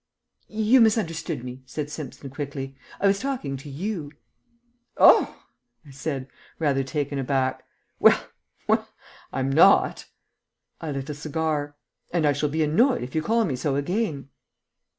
"You misunderstood me," said Simpson quickly. "I was talking to you." "Oh!" I said, rather taken aback. "Well well, I'm not." I lit a cigar. "And I shall be annoyed if you call me so again."